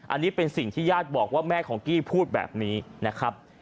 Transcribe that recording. อันนี้เป็นสิ่งที่ญาติบอกว่าแม่ของกี้พูดแบบนี้นะครับ